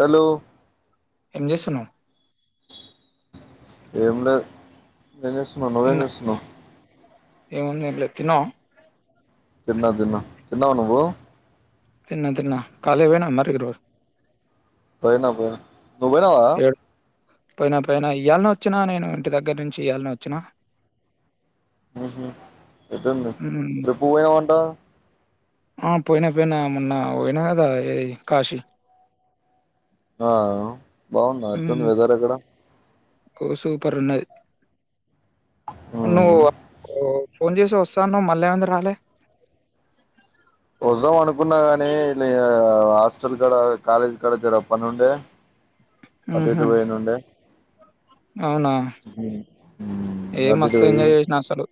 Hello ఏం చేస్తున్నావు ఏం లే ఏం చేస్తున్నావు నువేం తిన్న చేస్తున్నావు ఏం చేయట్లే తిన్నావా తిన్నా తిన్న తిన్నావా నువ్వు తిన్న తిన్న కాలే పోయనవ మరి ఈరోజు పోయినా పో నుబోయినావా ఏడు పోయినా పోయినా ఇయాలని వచ్చిన నేను ఇంటి దగ్గర నుంచి ఇయాలని వచ్చిన మ్మ్ హ్మ్ ఎట్టుంది ఉమ్, చెప్పు పోయేమంట ఆ పోయినా పోయినా మొన్న పోయినా కదా ఏ కాశీ ఆహ్ బాగుందా ఎట్లుంది ఉమ్, వెదర్ అగడ ఓ సూపర్ ఉన్నది ఉమ్ నువ్ వోచ్ ఫోన్ చేసి వస్సాన్నవ్ మళ్ళీ ఏమైంది రాలే వజ్జాం అనుకున్నా గాని నీ హాస్టల్ కడ కాలేజ్ కాడ జర్రపని ఉండే. అటుఇటు ఉహుం, పోయిందుండే అవునా ఏ ఉమ్, అటు మస్తు ఎంజాయ్ చేసిన అసలు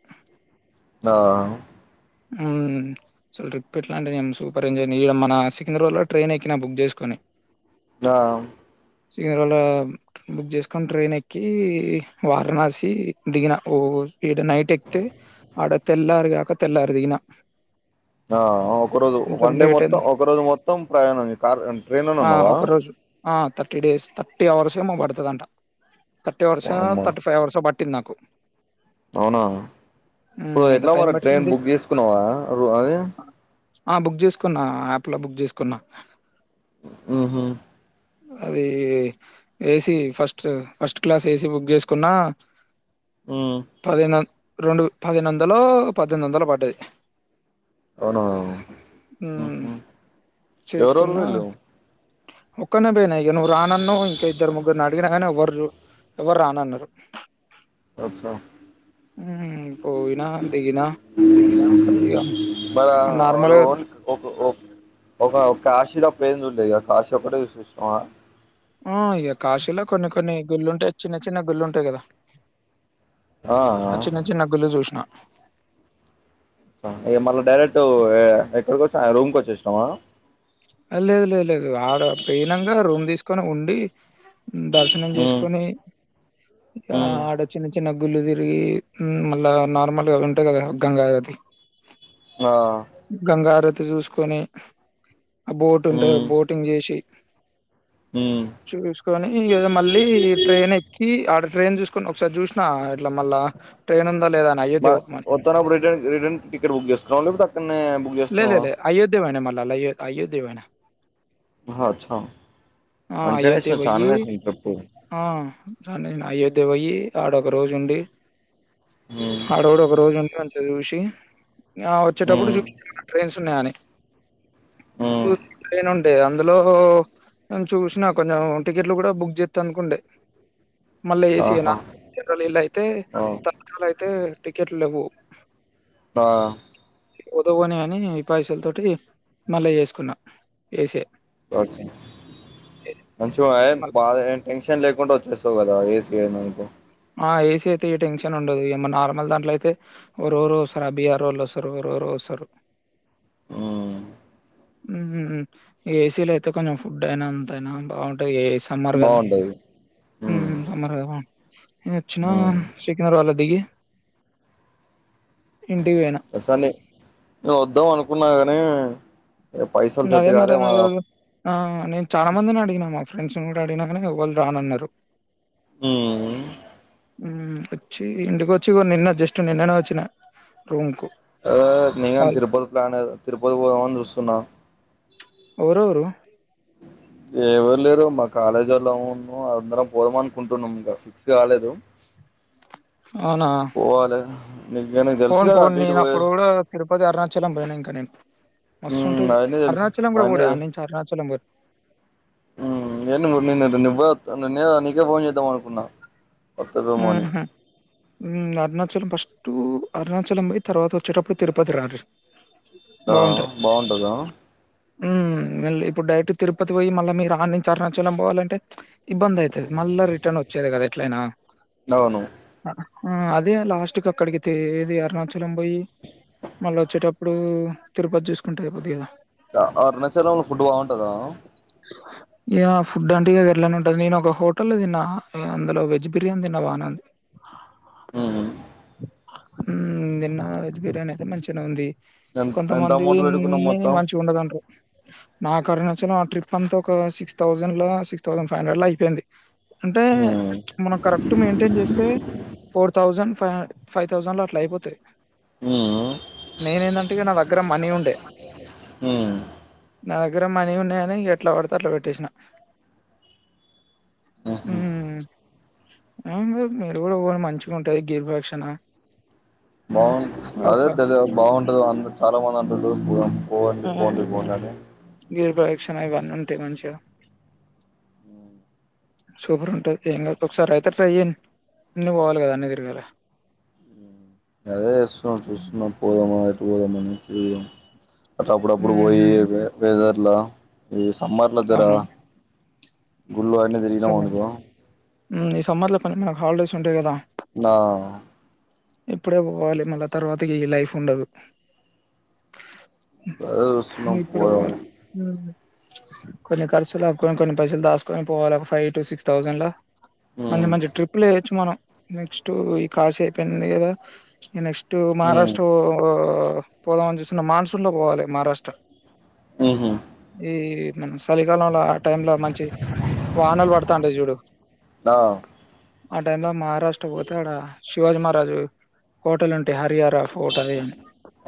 దాఆ మ్మ్ అసలు ట్రిప్ ఎట్లా అంటే నేను సూపర్ ఎంజాయ్ చే నీయ్మన సికింద్రావాలో ట్రైన్ ఎక్కినా బుక్ చేసుకొని. ఆ సిళ బుక్ చేసుకుని ట్రైన్ ఎక్కి వారణాసి దిగిన ఓ ఈడ నైట్ ఎక్తే ఆడ తెల్లారుగాక తెల్లారి దిగిన ఆ ఒక రోజు కొంచెం వన్ డే లేట్ మొత్తం అయింది ఒక రోజు మొత్తం ప్రయాణమే కార్ ట్రైన్లో నే ఆ ఉన్నావా ఒక రోజు ఆ థర్టీ డేస్ థర్టీ అవర్స్ ఏమో పడతదంట థర్టీ అవర్సా థర్టీ ఫైవ్ అవర్సో పట్ పట్టింది నాకు అవునాఓ ఉమ్ ఎంత ఎట్లా టైం మరి అట్ ట్రైన్ పట్టింది బుక్ చేసుకున్నావా రొ అది ఆ బుక్ చేసుకున్నా యాప్ లో బుక్ చేసుకున్నా ఊహూ అది AC first first class AC book చేసుకున్నా ఉ పదినా రెండు పదినుొందలో పద్దెనిమిది వందలు పడ్డాయి అవునా హమ్ ఎవరెవరు చేసుకున్నా వెళ్లావు ఒక్కనే పోయినా అయ నువ్వు రానన్న ఇంకా ఇద్దరు ముగ్గురిని అడిగిన కానీ ఎవ్వరు ఎవరు రానన్నారు అచ్చా హమ్ పోయిన మరి నార్మల్ రోన్ ఒక ఒక కాశీలో పేరు కాశి ఒక్కటే చూస ఆ ఇక కాశీలో కొన్ని కొన్ని గుళ్ళుంటాయి చిన్న చిన్న గుళ్ళుంటాయి కద ఆ చిన్న చిన్న గుళ్ళు చూష్ణ మ డైరెక్ట్ ఎక్కడ రూమ్ కి వచ్చేసినవ లేదు లేదు లేదు ఆడ పెయినంగా రూమ్ తీసుకొని ఉండి దర్శనం ఉమ్ చేసుకొని ఉమ్ ఆడ చిన్న చిన్న గుళ్ళ తిరిగి మళ్ళా నార్మల్గా ఉంటాయి కదా గంగాతి ఆ గంగారతి చూసుకొని ఆ బోట్ ఉంటది ఉమ్ బోటింగ్ చేసి ఉమ్ చూసుకొనిదో మళ్ళీ ట్రైన్ ఎక్కి ఆడ ట్రైన్ చూసుకొని ఒకసరి చూసినా ఇట్లా మళ్ళా ట్రైన్ లేదా అని మ అయోధ్య పోదామని వత్తనుప్పుడు రిట రిటర్న్ టికెట్ బుక్ చేసుకున్నాం లేకపోతే అక్కనే బుక్ చేసున్నావ అలయ అయ్యే పోయిన ఆహా అచ్చా ఆ మంచిగానే అయోధ్య వేసినావు పొయ్యి చాలానే వేసినావు ట్రిప్పు ఆ అయోధ్య దివయ్యి ఆడ ఒక రోజుండి హాడ కూడ ఒక రోజు వు ఋషి ఆ వచ్చేటప్పుడు చూ ఉ ట్రైన్ నానే చూ హ్మ్ ట్రైన్ ఉంటే అందులో నే చూసిన కొంచెం టికెట్లు కూడ బుక్ చేస్తా అనుకుంటే మళ్ళీ ఏసి ఆహా! నళ్ళ అయితే ఆ! తాత్కాల్ అయితే టికెట్ లేవు ఆ పోతే పోనీ అని పైసల తోటి మళ్ళీ చేస్త కున్నాం వేసే చ బ లేకుండా వచ్చేస్తావు కదా ఏసీ ఏయితే ఆ ఏసీ అయితే ఈ టెన్షన్ ఉండదు ఏ నార్మల్ దాంట్లో అయితే ఒ రోజు వస్తారు అభై ఆరు రోజు వస్తారు వ రు వస్తారు హ్మ్. ఏసీలో అయితే కొంచెం ఫుడ్ అయినా అంతయినా బాగుంటుంది ఏ సమ్మర్ కదా బావుంటది. హ్మ్. సమ్మర్ కదా వచ్చిన హ్మ్. శకినర్ వాళ్ల దగి ఇంటికి వేనా కానీ నేను వద్దాం అనుకున్నా కాని నేనూ చాలా మందిని అడిగిన నా ఫ్రెండ్స్ నీ నేను అడిగినాను కానీ ఎవరు రానన్నారు హమ్ వచ్చి ఇంటికి వచ్చి నిన్న జస్ట్ నిన్ననే వచ్చిన రూమ్ కు నను కాల్ తిరుపతి ప్లాన్ తిరుపతి పోదామని చూస్తున్నా ఎవరెవరు ఎవరు లేరు మా కాలేజీ వాళ్ళ అన్నా అందరం పోదామ అనుకుంటున్నాం ఇంకా ఫిక్స్ కాలేదు అవునా పోవాలే. నీకు నీకు తెలుసు పోను కదా పోను అటు ఇటు నను అప్పుడు పోయేది. కూడా తిరుపతి అరుణాచలం పోయినాం ఇంకా నింపు మస్తు హ్మ్. ఉంటుది అయన్నీ తెలుసు. అరుణాచలం కూడా పోడి అన్నించి అరుణాచలం వరు ఏం నన్నవ నిన్న నీకే ఫోన్ చేద్దాం అనుకున్నా వత్తడేమోని ఉహు అరుణాచలం ఫస్ట్ అరుణాచలం పోయి తర్వాత వచ్చేటప్పుడు తిరుపతి రారి ఆ బాగుంటందా మళ్ళీ ఇప్పుడు డైరెక్ట్ తిరుపతి పోయి మళ్ళీ మీరు ఆన్ని నుంచి అరుణాచలం పోవాలంటే ఇబ్బంది అవుతుంది మల రిటర్న్ వచ్చేదికధ అట్లేనా అవును ఆ అదే లాస్ట్ క అక్కడికిది అరుణాచలం పోయి మళ్ళీ వచ్చేటప్పుడు తిరుపతి చూసుకుంటా అయిపోద్ కదా అరుణాచలంలో ఫుడ్ బాగుంటదా ఇ ఫుడ్ అంటగా గరలేనే ఉంటుది నేను ఒక హోటల్ తిన్నా అందులో వెజ్ ప్రియం తిన్నవా నన్ను హమ్ నిన్న వెజ్ బిర్యానీ అయితే మంచిగానే ఉంది ఎంత ఎంత కొంతమందిని అమౌంట్ పెట్టుకున్నాం మొత్తం మంచి ఉండదంటారు నాకు అరుణాచలం ఆ ట్రిప్ అంతా ఒక సిక్స్ థౌసండ్ లో సిక్స్ థౌసండ్ ఫైవ్ హండ్రెడ్ లో అయిపోయింది అంటే ఉమ్ మనం కరెక్ట్ మెయింటైన్ చేస్తే four thousand five five thousand లో అట్లా అయిపోతా్ ఉమ్ నేనేందంటే నా దగ్గర మనీ ఉండే ఉమ్ నా దగ్ దగ్గర మనీ ఉన్నాయని ఎట్లా పడతే అట్లా పెట్టేసిన ఉహు మీరు కూడా పొండి మంచిగా ఉంట హ్మ్. బాగు అదే ఒక తెలీల బాగుంటది అ చాలా మంది [unintelligible] పోండి పోండి పోండి అంటే దక్షణ ఇవన్నీ ఉంటాయి మంచిగా సూపర్ ఉంటాది ఏం గాదు ఒకసారి ఆయితే ట్రై చేయండి అన్ని పోవాలి కదా అన్నీ తిరగాలి అదే చేస్తన్నా చూస్తున్న పోదామా అ పోదామని [unintelligible] అ అప్పుడప్పుడు ఉహు పోయి వె వెదర్ ఇలా [unintelligible] అమ్మార్ల జర అవునవును గుళ్ళూ అన్ని సమ్మర్ తిరిగినమనుకో ఈ సమ్మర్ లోపు అని మనకు హాలిడేస్ ఉంటాయి కదా ఆ ఇప్పుడే పోవాలి మళ్ళా తర్వాతకి ఈ లైఫ్ ఉండదు ప్రదక్షిణ ఇప్పుడే పోయాం పోవాలి ఉమ్ కొన్ని ఖర్చులకు కొన్ని పైసలు దాచుకుని పోవాల ఒక ఫైవ్ టు సిక్స్ థౌజండ్లా మంచి ఉమ్ మంచి ట్రిప్లే యచ్చు మనం నెక్స్ట్ ఈ కాశీ అయిపోయింది కదా ఈ నెక్స్ టు ఉమ్ మహారాష్ట్ర పోదామని చూస్తున్న మాన్సూన్ లో పోవాలి మహారాష్ట్ర ఉహు ఏ మొన్న చలికాలంలో ఆ టైంలో మంచి వానలు పడతాంటాయి చూడు ఆ ఆ టైమ్ లో మహారాష్ట్ర పోతే ఆడ శివాజీ మహారాజు కోటలు ఉంటే హర్యాన ఫోటా దిగాను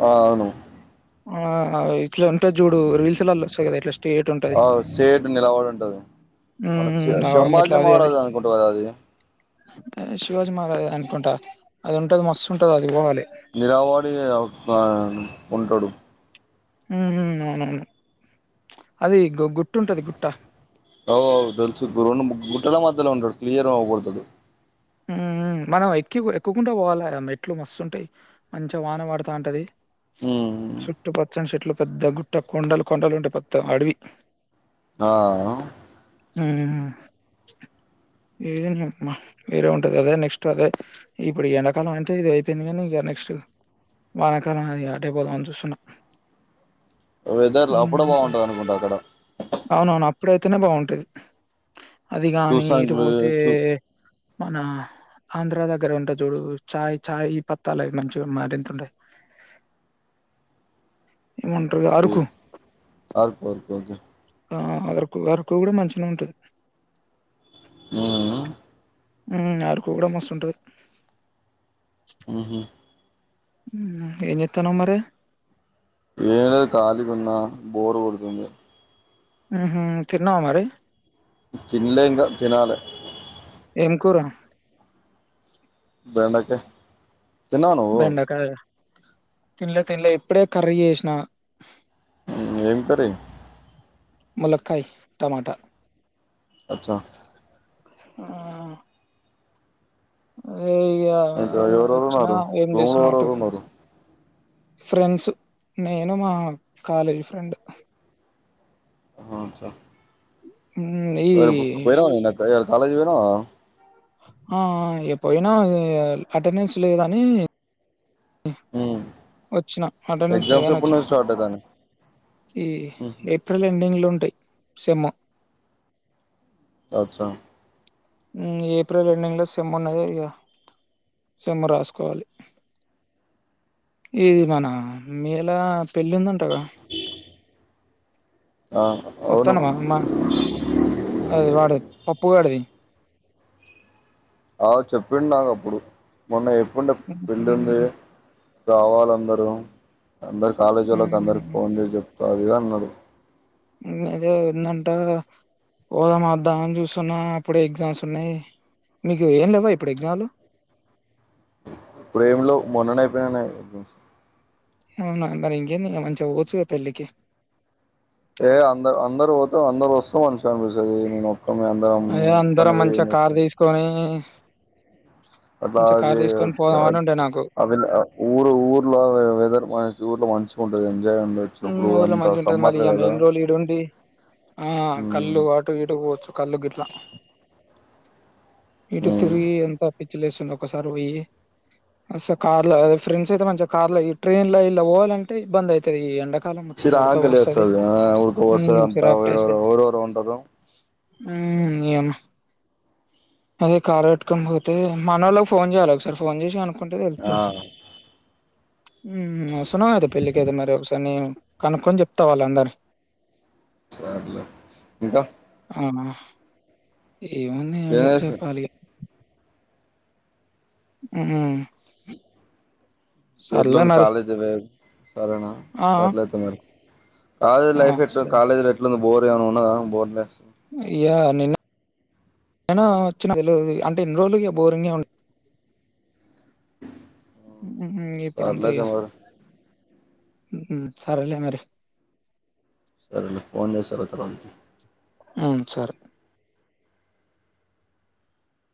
ఆ అవును ఆ ఆ ఇట్లా ఉంటుది చూడు రీల్స్ ళ వస్తాయి కదా ఇట్లా స్టేట్ ఉంటది ఆ స్టేట్ నిలబడి ఉంటది మన హ్మ్. ఆ మెట్ల శంబాజీ అది అది మహారాజు అనుకుంట కదా అది శివాజీ మహారాజ్ అనుకుంటా అది ఉంటది మస్తు ఉంటది అది పోవాలి నిలవడి ఒక ఉంటడు ఉహు అవునవును అది గ అవువు తెలుసు గు గుట్టెలో మధ్య లో ఉంటాడు క్లియర్ అగుపడతాది ఉ మనం ఎక్కు ఎక్కుకుంటడా పోవాలి మెట్లు మస్తుంటాయి. మంచిగా వాన పడతా ఉంటది ఉమ్ చుట్టు పచ్చని చెట్లు పెద్ద గుట్ట కొండలు కొండలు ఉండే పెద్ద అడవి ఆ ఉమ్ నువ్వే చెప్పు మ్మా వేరే ఉంటది అదే నెక్స్ట్ అదే ఇప్పుడు ఎండాకాలం అంటే ఇది అయిపోయింది కానీ ఇంక నెక్స్ట్ వానకాలం అది ఆటైపోదాం అని చూస్తున్నా వెదర్ అప్పుడే హ్మ్. బాగుంటాంది అనుకుంటా అక్కడ ఎప్పుడైతేనే బాగుంటది అది కాగానీ చూసానికి వే- ఇరుపోతే చూ మన ఆంధ్ర దగ్గర ఉంటే చూడు చాయ్ చాయ్ ఈ పత్తాలువి మంచిగా మరింతంటాయి అల్కు అల్కు అక ఆ వరకు వరకు కూడా మంచిగా ఉంటది ఆ ఆరుకో కూడా మస్తుంటది అహ ఎన్నితనమర ఏనేది కాలి ఉన్నా బోరు పడుతుంది తిన్నావా మరి తిలకా తినాల ఏం కురా వేంటక బెండకాయ తింల తింల ఎప్పుడే కర్రీ చేసినా ఏం కీ మలకాయ టమాటా అచ్చా ఆ ఆ ఇ ఇంకా ఎవరెవరు వచ్చినా ఉన్నారు ఏం రూమ్ లో చేసిన ఎవరెవరు అటుకు ఉన్నారు ఫ్రెండ్స్ నేను మా కాలేజీ ఫ్రెండ్ అవును సార్ హ్మ్. ఈ పోయినా కాాలేజ్ వేనా ఆ పోయినా అటెండెన్స్ లేద అని హ వచ్చిన అంటెనెన్స్ లేదాని వచ్చినా అయితానయ్ ఈ ఉహు ఏప్రిల్ ఎండింగ్ లో ఉంట ఉంటే సేమ్ అచ్చ ఏప్రిల్ ఎండింగ్ లో సేమ్ ఉన్నది ఇగ సేమ్ రాసుకోవాలి ఇది మన మేల పెళ్ళి ఉందంటగా ఆ అవును వత్తానమా మా అది వాడే ప పొగడిది అ చెప్పిండు నాకు అప్పుడు మొన్న చే పుడ పెళ్ళి ఉంది హ్మ్. రావాలందరూ అందరు కాలేజీ ఒలోకి అందరికి హ్మ్. ఫోన్ చేసి చెప్పు చెప్పాలి అన్నాడు ఊ అదే ఉందంటా పోదామా వద్దా అని చూస్తున్న అప్పుడే ఎగ్జామ్స్ ఉన్నాయి మీకు ఏం లేవా ఇప్పుడు ఎగ్జామ్లు, ఇప్పుడేం లేవు మొన్ననే అయిపోయినాయి ఎగ్జామ్స్ అవునా మరి ఇంకేంది మంచిగా పోవచ్చు కదా పెళ్ళికి ఏ అంద అందరు పో, అందరు వస్తే మనించిగా అనిపిస్తుంది నేను, ఒక్కడినే అందరం అదే అందరూ ఒక్కడినే పోయి ఏం మంచిగా కారు చేస్తాం తీసుకొని, అట్లా మంచిగా కార్ అది తీసుకొని పోదామని ఉండే నాకు అ విలై ఊరు ఊర్లో వెదర్ మ చూట్లలో మంచిగా ఉంటది ఎంజాయ్ ఉండొచ్చు ఇప్పుడు ఊళ్ళలో అంత మంచిగా ఉంటాది సమ్మర్ మళ్ళా కదా ఎన్ని రోజులు ఈడ ఉండి, ఆ ఉమ్ కళ్ళు అటు ఇటు పోవచ్చు కల్లుగిట్ల ఇటు ఉమ్ తిరిగి ఎంత పిచ్చిలేస్తుంది ఒకసారి పోయి అసలు కార్ లో ఫ్రెండ్స్ అయితే మంచిగా కార్ లో ట్రైన్ లో ఇలా పోవాలంటే ఇబ్బంది అయ్యితాది ఈ ఎ చిరగా లేస్తాది ఆ ఉడక పోస్తాది హ్మ్. అంత చిరాకు ఎవరెవరు ఉంటరు, హమ్ ఏమ అదే కార్ పెట్టుకని పోతే మన వాళ్ళకి ఫోన్ చేయాలి ఒకసారి ఫోన్ చేసి కనుకో అంటే ఆ తలుతది హు వస్తున్నావు ఐతే పెళ్ళికి అయితే మరే కానీ కనుక్కొని చెప్తా వాళ్ళ అందరీని సరలే ఇంకా ఔనా ఏముంది ఏం లే చెప్పాలి ఇగ ఊ ఎట్లా ఉంది కాలేజీ లైఫ్ సరేనా ఆ! సర్లే ఐతే మరి కాలేజీ ఆ! ఆ! లైఫ్ ఎట్లుంది సరే. కాలేజీల ఎట్లుంది బోర్ గా ఏమన ఉన్నదా బోర్లెస్. యా నిన్న నే వచ్చిన తెల్వది అంటే ఇన్ని రోజులు ఇగ బోరింగే ఉండ్ హ్మ ఇప్పుడు అంతా సర్లే అయితే ఇగా. మరి హ్మ సర్లే మరి. సరేలే ఫోన్ చేస్తాలే తరువాతకి. అవును సరే.